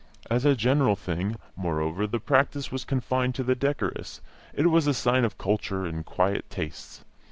As a general thing, moreover, the practice was confined to the decorous; it was a sign of culture and quiet tastes.